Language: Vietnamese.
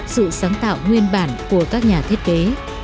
sự sáng tạo nguyên bản của các nhà thiết kế